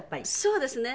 そうですね。